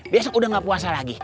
besok udah gak puasa lagi